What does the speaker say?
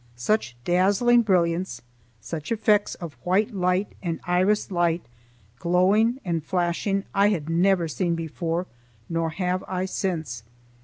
Such dazzling brilliance, such effects of white light and irised light glowing and flashing I had never seen before, nor have I since.